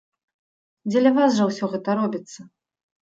Дзеля вас жа ўсё гэта робіцца!